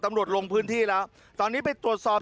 ลงพื้นที่แล้วตอนนี้ไปตรวจสอบ